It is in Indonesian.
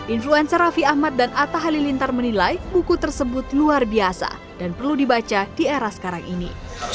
influencer raffi ahmad dan atta halilintar menilai buku tersebut luar biasa dan perlu dibaca di era sekarang ini